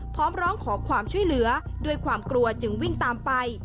พร้อมร้องขอความช่วยเหลือด้วยความกลัวจึงวิ่งตามไป